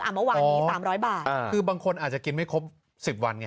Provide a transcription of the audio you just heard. อ่าเมื่อวานนี้สามร้อยบาทอ่าคือบางคนอาจจะกินไม่ครบสิบวันไง